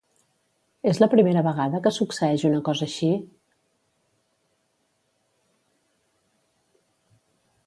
És la primera vegada que succeeix una cosa així?